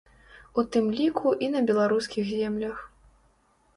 У тым ліку і на беларускіх землях.